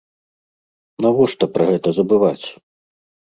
Навошта пра гэта забываць?